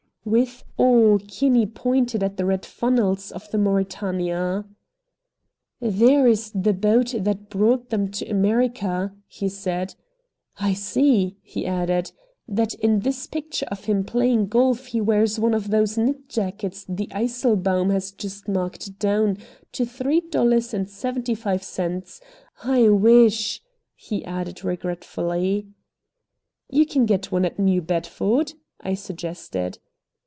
'" With awe Kinney pointed at the red funnels of the Mauretania. "There is the boat that brought them to America," he said. "I see," he added, "that in this picture of him playing golf he wears one of those knit jackets the Eiselbaum has just marked down to three dollars and seventy five cents. I wish " he added regretfully. "You can get one at New Bedford," I suggested.